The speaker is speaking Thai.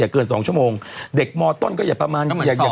ยากเกินอยะกรอบ